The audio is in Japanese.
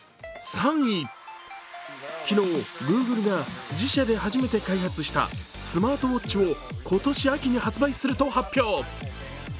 昨日、グーグルが自社で初めて開発したスマートウォッチを今年秋に発売すると発表。